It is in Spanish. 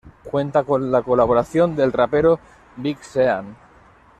Cuenta con la colaboración del rapero Big Sean.